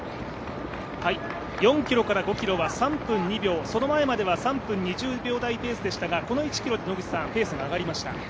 ４ｋｍから５ｋｍは３分２秒、その前までは３分２０秒台ペースでしたがこの１ｋｍ、ペースが上がりました。